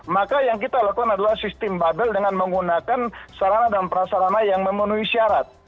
maka yang kita lakukan adalah sistem bubble dengan menggunakan sarana dan prasarana yang memenuhi syarat